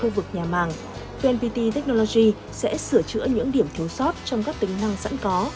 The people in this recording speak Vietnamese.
vnpt technology sẽ sửa chữa những điểm thiếu sót trong các tính năng sẵn có